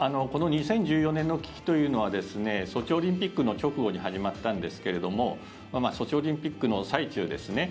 この２０１４年の危機というのはソチオリンピックの直後に始まったんですけれどもソチオリンピックの最中ですね。